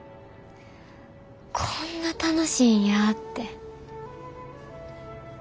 こんな楽しいんやって。